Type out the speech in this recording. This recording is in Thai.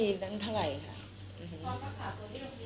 พี่อยู่โรงพยาบาลประมาณเกือบ๓เดือนนะค่ะ